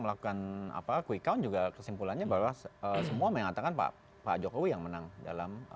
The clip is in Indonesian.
melakukan apa quick count juga kesimpulannya bahwa semua mengatakan pak jokowi yang menang dalam